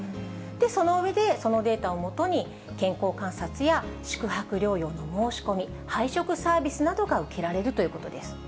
その上で、そのデータを基に、健康観察や、宿泊療養の申し込み、配食サービスなどが受けられるということです。